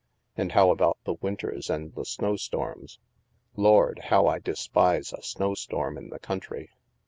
" How about the winters and the snowstorms? Lord, how I despise a snowstorm in the country